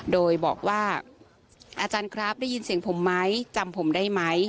โดยบอกว่าอาจารย์ครับได้ยินเสียงผมไหมจำผมได้ไหม